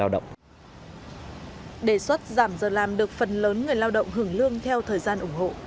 đề xuất giảm giờ làm được phần lớn người lao động hưởng lương theo thời gian ủng hộ